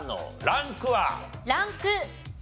ランク２。